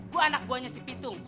gue anak buahnya si pitung